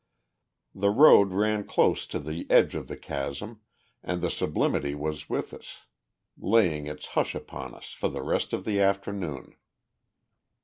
The road ran close to the edge of the chasm, and the sublimity was with us, laying its hush upon us, for the rest of the afternoon.